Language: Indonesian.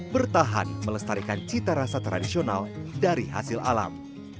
bertahan melestarikan cita rasa tradisional dari hasil alam